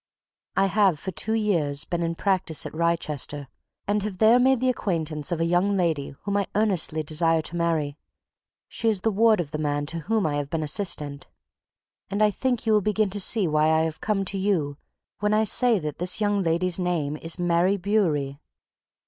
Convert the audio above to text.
I have for two years been in practice at Wrychester, and have there made the acquaintance of a young lady whom I earnestly desire to marry. She is the ward of the man to whom I have been assistant. And I think you will begin to see why I have come to you when I say that this young lady's name is Mary Bewery."